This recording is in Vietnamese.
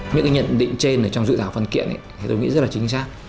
những nhận định trên trong dự thảo phần kiện tôi nghĩ rất chính xác